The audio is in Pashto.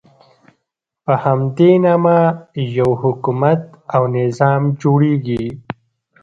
په همدې نامه یو حکومت او نظام جوړېږي.